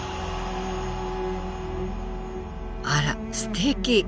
あらすてき！